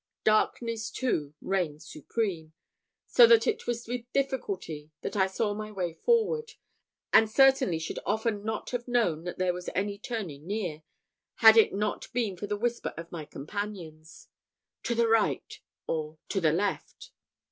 Darkness, too, reigned supreme, so that it was with difficulty that I saw my way forward; and certainly should often not have known that there was any turning near, had it not been for the whisper of mv companions, "To the right!" or "To the left!"